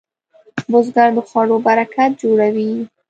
بزګر د خوړو برکت جوړوي